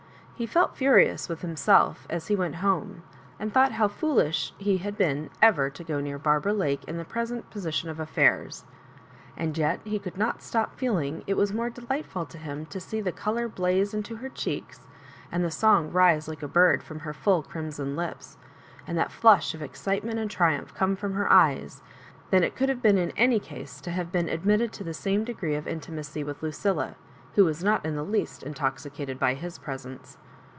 He felt furious with himself as he went home, and thought how foolish he had been ever to go near Barbie Lake In the pre Digitized by VjOOQIC 72 MISS MARJORIBAKKS. sent position of affaire; and yet ho oould not help feeling that it was more delightfiil to him to see the ooloor blaze into her cheeks, and the soDg rise like a bird from her Aill crimson lips, and that flush of excitement and triumph come from her eyes, than it oould have been in any case to have been admitted to the same degree of intimacy with Lucilla, who was not in the least intoxicated by his presence.